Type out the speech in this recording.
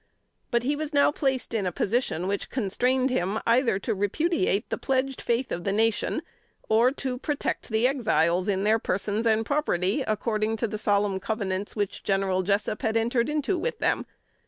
But he was now placed in a position which constrained him either to repudiate the pledged faith of the nation, or to protect the Exiles in their persons and property, according to the solemn covenants which General Jessup had entered into with them.